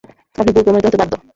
আপনি ভুল প্রমাণিত হতে বাধ্য!